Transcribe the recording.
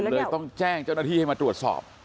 เลยต้องแจ้งเจ้าหน้าที่ให้มาตรวจสอบ